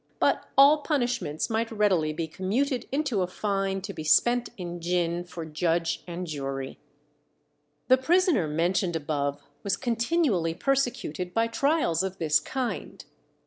But all punishments might readily be commuted into a fine to be spent in gin for judge and jury. The prisoner mentioned above was continually persecuted by trials of this kind.